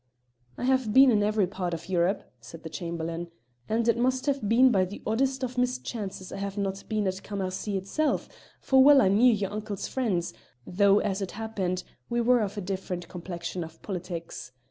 "I have been in every part of Europe," said the Chamberlain; "and it must have been by the oddest of mischances I have not been at Cammercy itself, for well I knew your uncle's friends, though, as it happened, we were of a different complexion of politics.